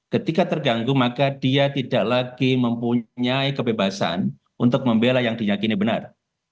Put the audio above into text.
ketika terganggu maka dia tidak lagi mempunyai kebebasan untuk membela yang dinyakini benar